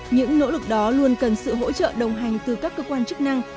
những nỗ lực đó luôn cần sự hỗ trợ đồng hành từ các cơ quan chức năng